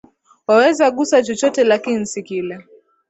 Waweza guza chochote lakini si kile